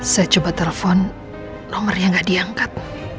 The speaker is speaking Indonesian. saya coba telepon nomer yang gak diangkat